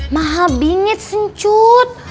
mahal bingit sencut